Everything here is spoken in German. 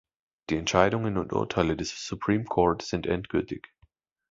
Die Entscheidungen und Urteile des Supreme Court sind endgültig.